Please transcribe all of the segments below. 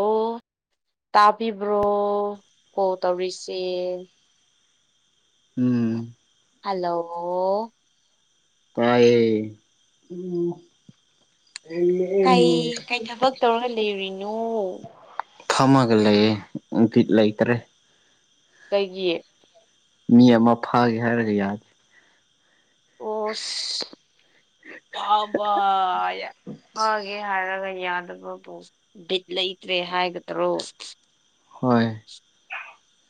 ꯑꯣ ꯇꯥꯕꯤꯕ꯭ꯔꯣ ꯀꯣꯜ ꯇꯧꯔꯤꯁꯦ ꯎꯝ ꯍꯜꯂꯣ ꯇꯥꯌꯦ ꯑꯦꯃꯣ ꯀꯩ ꯀꯩ ꯊꯕꯛ ꯇꯧꯔꯒ ꯂꯩꯔꯤꯅꯣ ꯊꯝꯃꯒ ꯂꯩꯌꯦ ꯎ ꯄꯤꯠ ꯂꯩꯇ꯭ꯔꯦ ꯑꯩꯒꯤ ꯃꯤ ꯑꯃ ꯐꯥꯒꯦ ꯍꯥꯏꯔꯒ ꯌꯥꯗꯦ ꯑꯣꯁ ꯑꯕ ꯐꯥꯒꯦ ꯍꯥꯏꯔꯒ ꯌꯥꯗꯕ ꯄꯣ ꯕꯤꯠ ꯂꯩꯇ꯭ꯔꯦ ꯍꯥꯏꯒꯗ꯭ꯔꯣ ꯍꯣꯏ [inaudible]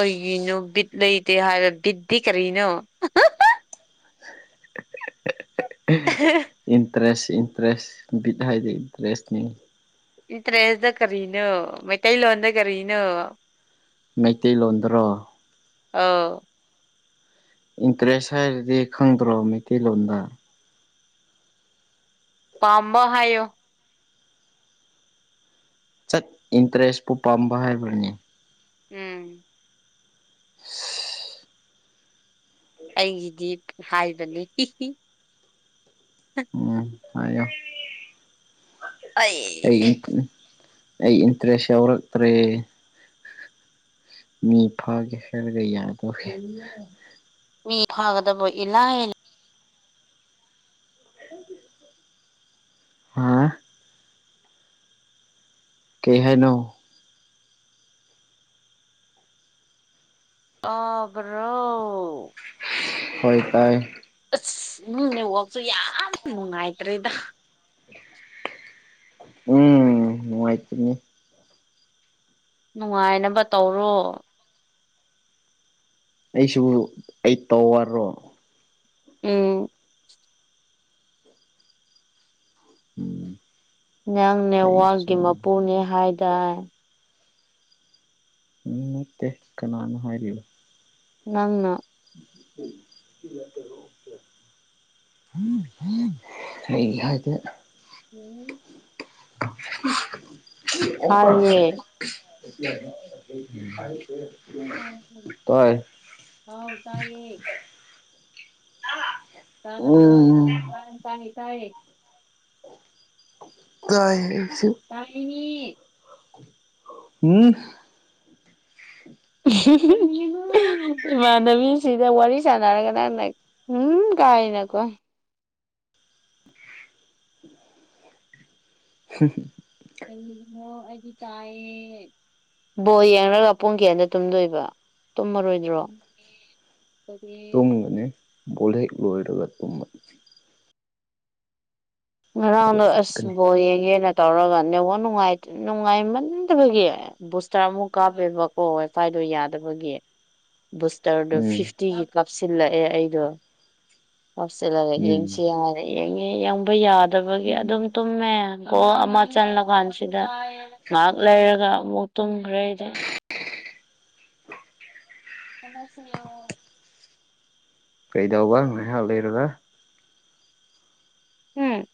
ꯑꯣꯏꯒꯤꯅꯣ ꯕꯤꯠ ꯂꯩꯇꯦ ꯍꯥꯏꯔ ꯕꯤꯠꯇꯗꯤ ꯀꯔꯤꯅꯣ ꯏꯟꯇꯔꯦꯁ ꯏꯟꯇꯔꯦꯁ ꯕꯤꯠ ꯍꯥꯏꯗꯤ ꯏꯟꯇꯔꯦꯁꯅꯤ ꯏꯟꯇꯔꯦꯁꯇ ꯀꯔꯤꯅꯣ ꯃꯩꯇꯩꯂꯣꯟꯗ ꯀꯔꯤꯅꯣ ꯃꯩꯇꯩꯂꯣꯟꯗꯔꯣ ꯑꯥꯎ ꯏꯟꯇꯔꯦꯁ ꯍꯥꯏꯔꯗꯤ ꯈꯪꯗ꯭ꯔꯣ ꯃꯩꯇꯩꯂꯣꯟꯗ ꯄꯥꯝꯕ ꯍꯥꯏꯌꯣ ꯆꯠ ꯏꯟꯇꯔꯦꯁꯄꯨ ꯄꯥꯝꯕ ꯍꯥꯏꯕꯅꯤ ꯎꯝ [unintelligible] ꯑꯩꯒꯤꯗꯤ ꯍꯥꯏꯕꯅꯤ ꯍꯥꯏꯣ ꯑꯩ ꯑꯩ ꯏꯟꯇꯔꯦꯁ ꯌꯥꯎꯔꯛꯇ꯭ꯔꯦ ꯃꯤ ꯐꯥꯒꯦ ꯍꯥꯏꯔꯒ ꯌꯥꯗꯒꯦ ꯃꯤ ꯍꯥꯏꯗꯕ ꯏꯂ ꯏ ꯎ ꯍꯥꯥ ꯀꯩ ꯍꯥꯏꯅꯣ ꯇꯕ꯭ꯔꯣ ꯍꯣꯏ ꯇꯥꯏ ꯑꯁ ꯎꯝ ꯅꯦꯋꯥꯛꯁꯨ ꯌꯥꯝ ꯅꯨꯡꯉꯥꯏꯇ꯭ꯔꯦꯗ ꯎꯝ ꯍꯅꯨꯡꯥꯏꯇꯅꯤ ꯅꯨꯡꯉꯥꯏꯅꯕ ꯇꯧꯔꯣ ꯑꯩꯁꯨ ꯑꯩ ꯇꯧ ꯋꯥꯔꯣ ꯎꯝ ꯎꯝ ꯅꯪ ꯅꯦꯋꯥꯒꯤ ꯎꯝ ꯃꯄꯨꯅꯦ ꯍꯥꯏꯗꯥ ꯎꯝ ꯅꯠꯇꯦ ꯀꯅꯥꯅꯣ ꯍꯥꯏꯔꯤꯕꯣ ꯅꯪꯅ ꯎꯝ ꯎꯝ ꯏꯍꯗ ꯎꯝ ꯍꯥꯏꯌꯦ [unintelligible] ꯑꯣ ꯇꯥꯏ ꯍꯥꯎ ꯇꯥꯏꯌꯦ ꯇꯗꯕꯣ ꯎꯝ ꯇ ꯇꯥꯏꯦ ꯇꯏꯁꯨ ꯇꯥꯏꯌꯦꯃꯤ ꯎꯝ [unintelligible] ꯅꯕꯤꯁꯤꯗ ꯋꯥꯔꯤ ꯁꯥꯟꯅꯔꯒ ꯅꯪꯅ ꯎꯝ ꯀꯥꯏꯅꯀꯣ [unintelligible] ꯀꯔꯤꯅꫭ ꯑꯩꯗꯤ ꯇꯥꯏ ꯕꯣꯜ ꯌꯦꯡꯂꯡꯒ ꯄꯨꯡ ꯀꯌꯥꯗ ꯇꯨꯝꯗꯣꯏꯕ ꯇꯨꯝꯃꯔꯣꯏꯗ꯭ꯔꯣ [inaudible] ꯇꯨꯝꯒꯅꯤ ꯕꫭꯜ ꯍꯦꯛ ꯂꫭꯏꯔꯒ ꯇꯨꯝꯃꯅꯤ [unintelligible] ꯉꯔꯥꯡꯗꯣ ꯑꯗꯨꯒ ꯑꯁ ꯆꯠꯀꯅꯤ ꯕꯣꯜ ꯌꯦꯡꯒꯦꯅ ꯇꯧꯔꯒ ꯅꯦꯠꯋꯥꯛ ꯅꯨꯉꯥꯏꯇꯦ ꯅꯨꯡꯉꯥꯏꯃꯟꯗꯕꯒꯤ ꯕꯨꯁꯇꯔ ꯑꯃꯨꯛ ꯀꯥꯞꯄꯦꯕꯀꯣ ꯋꯥꯏꯐꯥꯏꯗꯣ ꯌꯥꯗꯕꯒꯤ ꯕꯨꯁꯇꯔꯗꯨ ꯎꯝ ꯐꯤꯐꯇꯤꯒꯤ ꯀꯥꯞꯁꯤꯜꯂꯛꯑꯦ ꯑꯩꯗꯣ ꯀꯥꯞꯁꯤꯜꯂꯒ ꯎꯝ ꯌꯦꯡꯁꯦ ꯌꯥꯔꯦ ꯌꯦꯡꯉꯦ ꯌꯥꯝ [unintelligible] ꯌꯥꯗꯕꯒꯤ ꯑꯗꯨꯝ ꯇꯨꯝꯃꯦ ꯒꯣꯜ ꯑꯃ ꯆꯜꯂꯀꯥꯟꯁꯤꯗ ꯉꯥꯛ ꯂꯩꯔꯒ ꯑꯃꯨꯛ ꯇꯨꯝꯈ꯭ꯔꯦ ꯑꯩꯗꯤ [unintelligible] ꯀꯩꯗꯧꯕ ꯉꯥꯏꯍꯥꯛ ꯂꯩꯔꯒ ꯎꯝ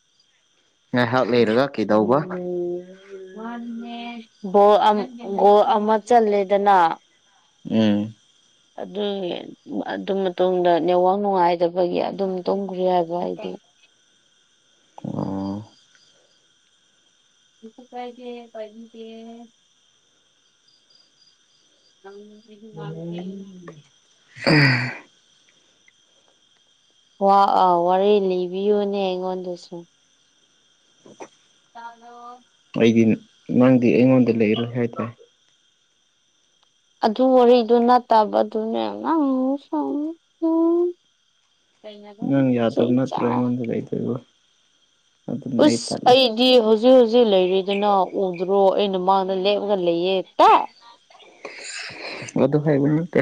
ꯉꯥꯏꯍꯥꯛ ꯂꯩꯔꯒ ꯀꯩꯗꯧꯕ [unintelligible] ꯕꯣꯜ ꯑꯃ ꯒꯣꯜ ꯑꯃ ꯆꯜꯂꯦꯗꯅ ꯎꯝ ꯑꯗꯨꯒꯤ ꯑꯗꯨ ꯃꯇꯨꯡꯗ ꯅꯦꯠꯋꯥꯛ ꯅꯨꯡꯉꯥꯏꯇꯕꯒꯤ ꯑꯗꯨꯝ ꯇꯨꯝꯈ꯭ꯔꯦ ꯍꯥꯏꯕ ꯑꯩꯗꫭ ꯑꯣ ꯀꯩꯁꯨ ꯀꯥꯏꯗꯤ ꯄꯥꯏꯕꯤꯒꯦ ꯅꯪ ꯅꯨꯄꯤꯁꯨ ꯉꯥꯡꯗꯦ [unintelligible] [unintelligible] ꯋꯥ ꯑꯥ ꯋꯥꯔꯤ ꯂꯤꯕꯤꯌꯨꯅꯦ ꯑꯩꯉꯣꯟꯗꯁꯨ ꯇꯥꯕ꯭ꯔꫭ ꯑꯩꯗꯤ ꯅꯪꯗꯤ ꯑꯩꯉꯣꯟꯗ ꯂꯩꯔꯣꯏ ꯍꯥꯏꯗꯥꯏ ꯑꯗꯨ ꯋꯥꯔꯤꯗꯨ ꯅꯠꯇꯕꯗꯨꯅꯦ ꯅꯪ ꯁꯝ ꯅꯪ ꯀꯩꯅꯗꯨꯝ ꯆꯩꯆꯥ ꯀꯩꯕ ꯎꯁ ꯑꯩꯗꯤ ꯍꯧ ꯍꯧꯖꯤꯛ ꯍꯧꯖꯤꯛ ꯂꯩꯔꯤꯗꯅ ꯎꯗ꯭ꯔꯣ ꯑꯩꯅ ꯃꯥꯡꯗ ꯂꯦꯞꯂꯒ ꯂꯩꯌꯦ ꯇꯥꯠ ꯑꯗꯨ ꯍꯥꯏꯕ ꯅꯠꯇꯦ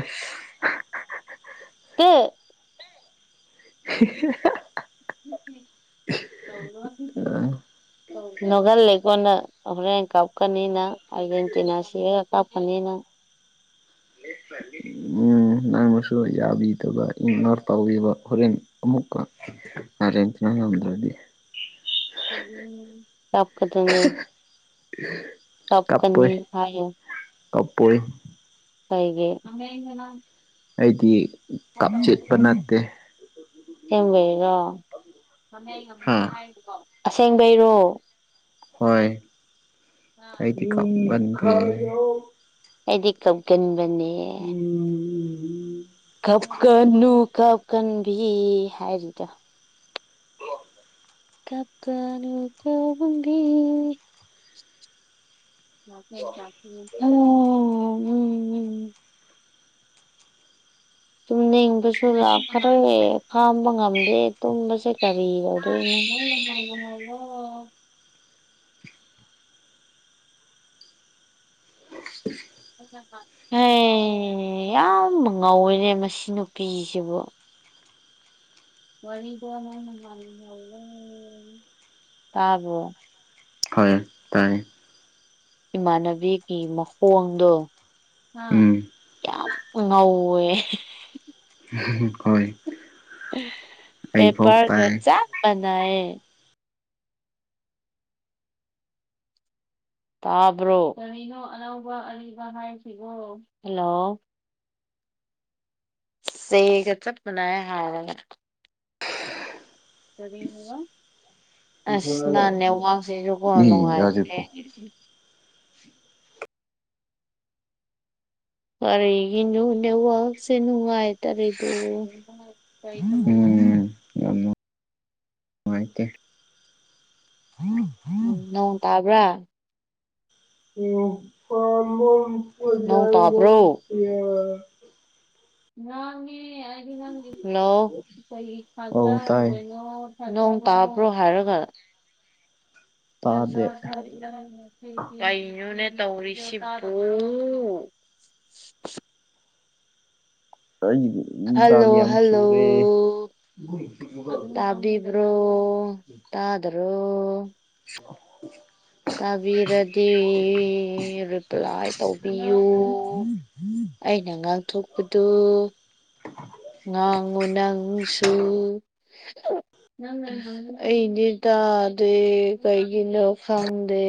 ꯇꯥꯠ [unintelligible] [unintelligible] ꯎꯝ ꯅꯣꯚꯦꯜ ꯂꯩꯀꯣ ꯅꯪ ꯍꯣꯔꯦꯟ ꯀꯥꯞꯀꯅꯤ ꯅꯪ ꯑꯔꯖꯦꯟꯇꯤꯅꯥ ꯁꯤꯌꯦ ꯀꯥꯞꯀꯅꯤ ꯅꯪ ꯎꯝ ꯅꯪꯅꯁꯨ ꯌꯥꯕꯤꯗꯕ ꯏꯔ ꯇꯧꯕ ꯍꯣꯔꯦꯟ ꯑꯃꯨꯛꯀ ꯑꯔꯖꯦꯟꯇꯤꯅꯥ ꯉꯝꯗꯔꯗꯤ [unintelligible] ꯇꯥꯛꯀꯗꯨꯅꯦ ꯇꯥꯞꯀꯅꯤ ꯍꯥꯏꯌꯣ ꯇꯥꯞꯄꫭꯏ ꯀꯩꯒꯤ [unintelligible] ꯑꯩꯗꯤ ꯀꯞ ꯆꯦꯠꯄ [unintelligible] ꯅꯠꯇꯦ ꯁꯦꯡꯕꯩꯔꯣ ꯍꯥ [unintelligible] ꯑꯁꯦꯡꯕꯩꯔꯣ ꯍꯣꯏ ꯑꯩꯗꯤ ꯀꯞꯃꯟꯗꯦ ꯑꯩꯗꯤ ꯀꯞꯒꯟꯕꯅꯦ [unintelligible] ꯀꯞꯀꯅꯨ ꯀꯞꯀꯥꯟꯕꯤ ꯍꯥꯏꯔꯤꯗꯨ ꯀꯞꯀꯅꯨ ꯀꯞꯀꯥꯟꯕꯤ [unintelligible] ꯑꯣ ꯎꯝ ꯎꯝ ꯇꯨꯝꯅꯤꯡꯕꯁꯨ ꯂꯥꯈꯔ꯭ꯦ ꯈꯥꯝꯕ ꯉꯝꯗꯦ ꯇꯨꯝꯕꯁꯦ ꯀꯔꯤ ꯑꯣꯏꯗꯣꯏꯅꯣ [unintelligible] ꯍꯦ ꯌꯥꯝ ꯉꯧꯋꯦꯅꯦ ꯃꯁꯤ ꯅꯨꯄꯤꯁꯤꯕꯨ ꯇꯥꯕ꯭ꯔꯣ ꯍꯣꯏ ꯇꯥꯏ ꯏꯃꯥꯟꯅꯕꯤꯒꯤ ꯃꯈꯣꯡꯗꯣ ꯎꯝ ꯌꯥꯝ ꯉꯧꯋꯦ ꯍꯣꯏ ꯑꯩꯐꯥꯎ ꯄꯦꯄꯔꯒ ꯇꯥꯏ ꯆꯥꯞ ꯃꯅꯥꯏ ꯇꯥꯕ꯭ꯔꯣ ꯍꯜꯂꯣ ꯁꯦꯒ ꯆꯞꯄꯅꯥ ꯍꯥꯏꯔꯒ ꯑꯁ ꯅꯅꯦꯦ ꯏ ꯌꯥꯖꯤꯛꯄꯣ ꯋꯥꯁꯤꯁꯨꯒꯅꯅꯨꯡꯉꯥꯏꯦ ꯀꯔꯤꯒꯤ ꯅꯨꯅꯦ ꯋꯥꯁꯦ ꯅꯨꯡꯉꯥꯏ ꯇꯔꯦꯗꯨ ꯎꯝ ꯉꯥꯏꯇꯦ ꯎꯝ ꯎꯝ ꯅꯣꯡ ꯇꯥꯕ꯭ꯔꯥ ꯎ ꯐꯃꯝꯄ ꯅꯣꯡ ꯇꯥꯕ꯭ꯔꯣ ꯌꯥꯥꯏꯒꯁꯤ [unintelligible] ꯍꯂꯣ ꯑꯧ ꯇꯥꯏ ꯅꯣꯡ ꯇꯥꯕ꯭ꯔꯣ ꯍꯥꯏꯔꯒ ꯍꯖꯥ ꯇꯥꯗꯦ [unintelligible] ꯀꯩꯅꯣꯅꯦ ꯇꯧꯔꯤꯁꯤ ꯄꯣ ꯍꯥꯏ ꯍꯜꯂꯣ ꯍꯜꯂꯣ ꯇꯕꯤꯕ꯭ꯔꯣ ꯇꯗ꯭ꯔꯣ [unintelligible] ꯇꯥꯕꯤꯔꯗꯤ ꯔꯤꯄ꯭ꯂꯥꯏ ꯇꯧꯕꯤꯌꯨ ꯑꯩꯅ ꯉꯥꯡꯊꯣꯛꯄꯗꯨ ꯉꯥꯡꯉꯨ ꯅꯪꯁꯨ ꯑꯩꯗꯤ ꯇꯥꯗꯦ ꯀꯩꯒꯤꯅꯣ ꯈꯪꯗꯦ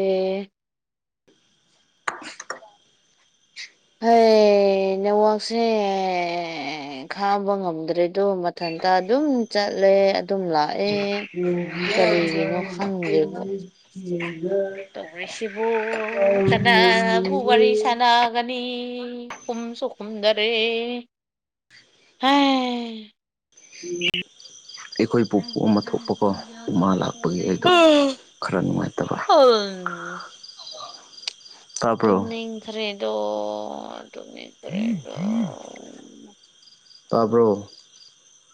ꯍꯩ ꯅꯦꯋꯥꯛꯁꯦ ꯑꯦ ꯈꯥꯕ ꯉꯝꯗ꯭ꯔꯦꯗꯣ ꯃꯊꯟꯇ ꯑꯗꯨꯝ ꯆꯠꯂꯦ ꯑꯗꯨꯝ ꯂꯥꯛ ꯌꯥꯒ ꯈꯪꯗꯦꯕ [unintelligible] ꯇꯧꯔꯤꯁꯤꯕꯨ ꯀꯅꯥꯕꯨ ꯋꯥꯔꯤ ꯁꯅ ꯒꯅꯤ ꯀꯨꯝꯁꯨ ꯈꯨꯝꯗꯔꯦ ꯍꯥ ꯌꯦ [unintelligible] ꯃꯥ ꯂꯥꯛꯄꯒꯤ ꯑꯩꯗꯣ ꯍ ꯈꯔ ꯅꯨꯡꯉꯥꯏꯇꯕꯦ ꯍꯥꯝ ꯇꯥꯕ꯭ꯔꯣ ꯇꯨꯝꯅꯤꯡꯈ꯭ꯔꯦꯗꯣ ꯇꯨꯝꯅꯤꯡꯈ꯭ꯔꯦꯗꯣ ꯇꯥꯕ꯭ꯔꯣ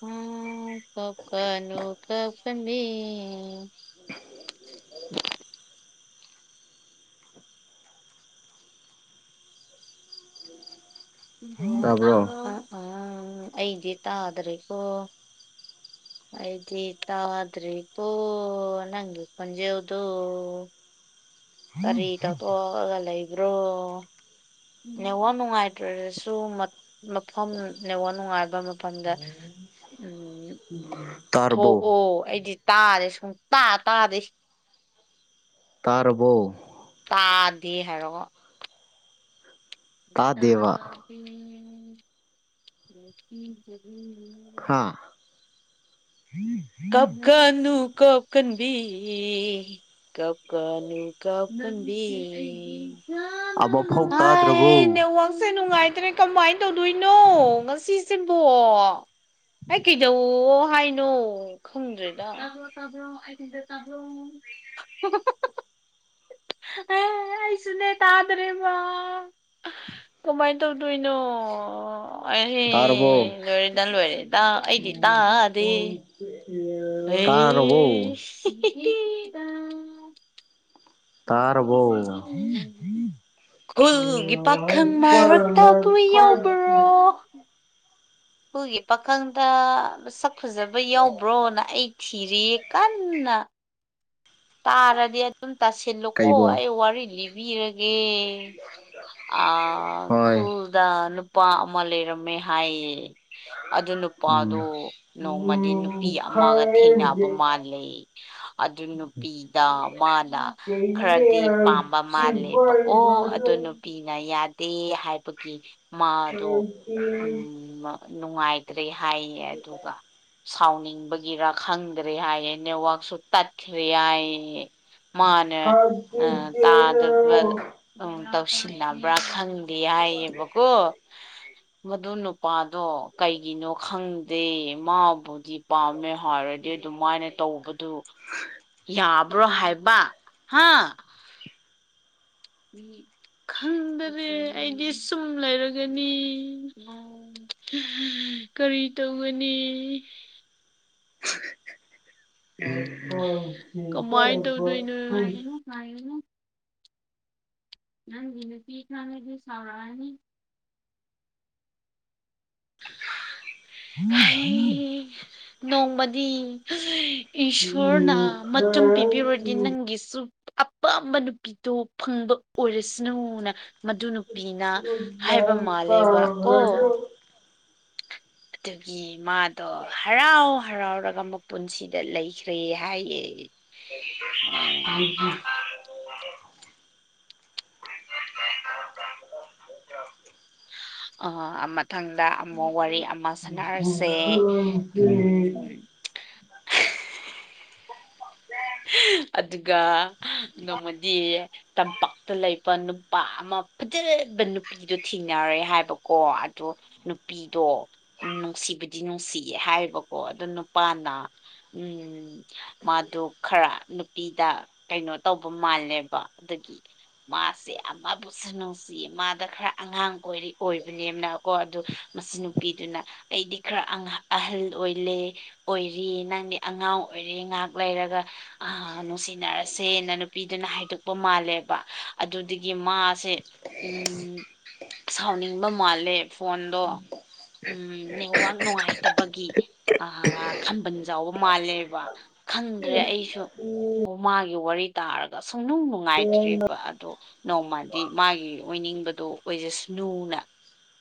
ꯎꯝ ꯄꯀꯅꯨ ꯀꯄꯅꯤ [unintelligible] ꯇꯥꯕ꯭ꯔꯣ ꯎ ꯎꯝ ꯑꯩꯗꯤ ꯇꯥꯗ꯭ꯔꯦꯀꯣ ꯑꯩꯗꯤ ꯇꯥꯗ꯭ꯔꯦꯀꯣ ꯅꯪꯒꯤ ꯈꯨꯟꯖꯦꯎꯗꯣ ꯀꯔꯤ ꯇꯧꯊꯣꯛꯑꯒ ꯂꯩꯕ꯭ꯔꯣ ꯅꯋꯥ ꯅꯨꯡꯉꯥꯏꯇ꯭ꯔꯦꯔꯁꯨ ꯃꯐꯝ ꯅꯋꯥ ꯅꯨꯡꯉꯥꯏꯕ ꯃꯐꯝꯗ ꯎꯝ ꯇ ꯊꯣꯛꯑꯣ ꯑꯩꯗꯤ ꯇꯥꯔꯦ ꯁꯨꯝ ꯇꯥ ꯇꯥꯗꯦ ꯇꯥꯔꯕꯣ ꯇꯥꯗꯦ ꯍꯥꯏꯔꯣꯀꯣ ꯇꯥꯗꯦꯕ [unintelligible] ꯍꯥꯥ ꯀꯞꯀꯅꯨ ꯀꯞꯀꯟꯕꯤ ꯀꯞꯀꯅꯨ ꯀꯞꯀꯟꯕꯤ ꯑꯃꯐꯥꯎ ꯍꯥꯏ ꯇꯥꯗ꯭ꯔꯕꯣ ꯅꯦꯠꯋꯥꯛꯁꯦ ꯅꯨꯡꯉꯥꯏꯇ꯭ꯔꯦ ꯀꯃꯥꯏ ꯇꯧꯗꯣꯏꯅꯣ ꯉꯁꯤꯁꯤꯕꯣ ꯑꯩ ꯀꯩꯗꯧꯋꯣ ꯍꯥꯏꯅꯣ ꯈꯪꯗ꯭ꯔꯦꯗ ꯇꯥꯕ꯭ꯔꯣ ꯇꯥꯕ꯭ꯔꯣ ꯑꯩ ꯈꯣꯟꯖꯦꯜ ꯇꯥꯕ꯭ꯔꯣ [unintelligible] [unintelligible] ꯑꯩꯁꯨꯅꯦ ꯇꯥꯗ꯭ꯔꯦꯕ ꯀꯃꯥꯏ ꯇꯧꯗꯣꯏꯅꯣ ꯋꯥꯏꯍꯦ ꯇꯥꯔꯕꯣ ꯂꯣꯏꯔꯦꯗ ꯂꯣꯏꯔꯦꯗ ꯑꯩꯗꯤ ꯇꯥꯗꯦ ꯇꯥꯔꯕꯣ ꯑꯩꯁ [inaudible] ꯇꯥꯔꯕꯣ ꯈꯨꯜꯒꯤ ꯄꯥꯈꯪ ꯃꯔꯛꯇꯕꯨ [inaudible] ꯍꯨꯒꯤ ꯄꯥꯈꯪꯗ ꯃꯁꯛ ꯐꯖꯕ ꯌꯥꯎꯕ꯭ꯔꯣꯅ ꯑꯩ ꯊꯤꯔꯤꯌꯦ ꯀꯟꯅ ꯇꯥꯔꯗꯤ ꯑꯗꯨꯝ ꯇꯥꯁꯤꯜꯂꯨꯀꯣ ꯀꯩꯕꯣ ꯑꯩ ꯋꯥꯔꯤ ꯂꯤꯕꯤꯔꯒꯦ ꯑ ꯍꯣꯏ ꯈꯨꯜꯗ ꯅꯨꯄꯥ ꯑꯃ ꯂꯩꯔꯝꯃꯦ ꯍꯥꯏꯌꯦ ꯑꯗꯨ ꯅꯨꯄꯥꯗꯣ ꯎꯝ ꯅꯣꯡꯃꯗꯤ ꯅꯨꯄꯤ ꯎꯝ ꯑꯃꯒ ꯊꯦꯡꯅꯕ ꯈꯔꯗꯤ ꯃꯥꯂꯦ ꯑꯗꯨ ꯅꯨ ꯄꯤꯗ ꯃꯥꯅ ꯀꯩꯅꯦ ꯈꯔꯗꯤ ꯄꯥꯝꯕ ꯃꯥꯜꯂꯦꯕꯀꯣ ꯁꯤꯕꯥꯏꯕꯗꯣ ꯑꯗꯨꯅꯨ ꯄꯤꯅ ꯌꯥꯗꯦ ꯍꯥꯏꯕꯒꯤ ꯃꯥꯗꯣ ꯈꯔ ꯎꯝ ꯅꯨꯡꯉꯥꯏꯇ꯭ꯔꯦ ꯍꯥꯏꯌꯦ ꯑꯗꯨꯒ ꯁꯥꯎꯅꯤꯡꯕꯒꯤꯔ ꯈꯪꯗ꯭ꯔꯦ ꯍꯥꯏꯌꯦ ꯅꯦꯠꯋꯥꯛꯁꯨ ꯇꯠꯈ꯭ꯔꯦ ꯍꯥꯏꯌꯦ ꯃꯅꯦ ꯑ ꯇꯥꯗꯕ ꯎꯝ ꯇꯧꯁꯤꯟꯅꯕ꯭ꯔꯥ ꯈꯪꯗꯦ ꯍꯥꯏꯌꯦꯕꯀꯣ ꯃꯗꯨ ꯅꯨꯄꯥꯗꯣ ꯀꯩꯒꯤꯅꯣ ꯈꯪꯗꯦ ꯃꯥꯕꯨꯗꯤ ꯄꯥꯝꯃꯦ ꯍꯥꯏꯔꯗꯤ ꯑꯗꯨꯃꯥꯏꯅ ꯇꯧꯕꯗꯨ [inaudible] ꯌꯥꯕ꯭ꯔꯣ ꯍꯥꯏꯕ ꯍꯥ ꯈꯪꯗꯥꯔꯦ ꯑꯩꯗꯤ ꯁꯨꯝ ꯂꯩꯔꯒꯅꯤ ꯀꯔꯤ ꯇꯧꯒꯅꯤ [inaudible] ꯉꯥꯏꯔꯨꯅꯨ ꯅꯪꯒꯤ ꯅꯨꯄꯤ ꯈꯪꯂꯗꯤ ꯁꯥꯎꯔꯛꯑꯅꯤ ꯍꯩ ꯅꯣꯡꯃꯗꯤ [unintelligible] ꯏꯁꯣꯔꯅ ꯃꯇꯝ ꯄꯤꯕꯤꯔꯗꯤ ꯅꯪꯒꯤꯁꯨ ꯑꯄꯥꯝꯕ ꯅꯨꯄꯤꯗꯣ ꯐꯪꯕ ꯑꯣꯏꯔꯁꯅꯨꯅ ꯃꯗꯨ ꯅꯨꯄꯤꯅ ꯍꯥꯏꯕ ꯃꯥꯜꯂꯦꯕ ꯀꯣ ꯑꯗꯨꯒꯤ ꯃꯥꯗꯣ ꯍꯔꯥꯎ ꯍꯔꯥꯎꯔꯒ ꯃꯄꯨꯟꯁꯤꯗ ꯂꯩꯈ꯭ꯔꯦ ꯍꯥꯏꯌꯦ [inaudible] ꯑ ꯃꯊꯪꯗ ꯑꯃꯨꯛ ꯋꯥꯔꯤ ꯃꯥ ꯁꯟꯅꯔꯥꯁꯦ ꯎꯝ ꯑꯗꯨꯒ ꯅꯣꯡꯃꯗꯤ ꯇꯝꯄꯥꯛꯇ ꯂꯩꯕ ꯅꯨ ꯄꯥ ꯑꯃ ꯐꯖꯔꯕ ꯅꯨꯄꯤꯗꯣ ꯊꯦꯡꯅꯔꯦ ꯍꯥꯏꯕꯀꯣ ꯑꯗꯣ ꯅꯨꯄꯤꯗꯣ ꯎꯝ ꯅꯨꯡꯁꯤꯕꯗꯤ ꯅꯨꯡꯁꯤꯌꯦ ꯍꯥꯏꯌꯦꯕꯀꯣ ꯑꯗꯣ ꯅꯨꯄꯥꯅ ꯎꯝ ꯃꯥꯗꯨ ꯈꯔ ꯅꯨꯄꯤꯗ ꯀꯩꯅꯣ ꯇꯧꯕ ꯃꯥꯜꯂꯦꯕ ꯑꯗꯨꯒꯤ ꯃꯥꯁꯦ ꯑꯃꯕꯨꯁꯨ ꯅꯨꯡꯁꯤꯌꯦ ꯃꯥꯗ ꯈꯔ ꯑꯉꯥꯡ ꯑꯣꯏꯔꯤ ꯑꯣꯏꯕꯅꯦꯅꯀꯣ ꯑꯗꯨ ꯃꯁꯤ ꯅꯨꯄꯤꯗꯨꯅ ꯑꯩꯗꯤ ꯈꯔ ꯑꯍꯜ ꯑꯣꯏꯂꯦ ꯑꯣꯏꯔꯤ ꯅꯪꯗꯤ ꯑꯉꯥꯡ ꯑꯣꯏꯔꯤ ꯉꯥꯍꯥꯛ ꯂꯩꯔꯒ ꯑꯥ ꯅꯨꯡꯁꯤꯅꯔꯁꯦꯅ ꯅꯨꯄꯤꯗꯨꯅ ꯍꯥꯏꯗꯣꯛꯄ ꯃꯥꯜꯂꯦꯕ ꯑꯗꯨꯗꯒꯤ ꯃꯥꯁꯦ ꯎꯝ ꯁꯥꯎꯅꯤꯡꯕ ꯃꯥꯜꯂꯦ ꯐꯣꯟꯗꯣ ꯎꯝ ꯅꯦꯠꯋꯥꯛ ꯅꯨꯡꯉꯥꯏꯇꯕꯒꯤ ꯑꯥ ꯈꯝꯕꯟ ꯆꯥꯎꯕ ꯃꯥꯜꯂꯦꯕ ꯈꯪꯗ꯭ꯔꯦ ꯑꯩꯁꯨ ꯍꯣ ꯃꯥꯒꯤ ꯋꯥꯔꯤ ꯇꯥꯔꯒ ꯁꯨꯡꯅꯨꯡ ꯅꯨꯡꯉꯥꯏꯇ꯭ꯔꯦꯕ ꯑꯗꯣ ꯅꯣꯡꯃꯗꯤ ꯃꯥꯒꯤ ꯑꯣꯏꯅꯤꯡꯕꯗꯣ ꯑꯣꯏꯖꯁꯅꯨꯅ